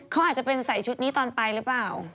เขาอาจจะเป็นใส่ชุดนี้ตอนไปหรือเปล่า